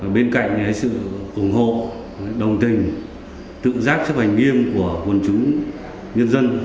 bên cạnh sự ủng hộ đồng tình tự giác chấp hành nghiêm của quân chúng nhân dân